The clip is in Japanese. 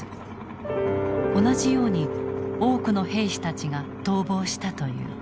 同じように多くの兵士たちが逃亡したという。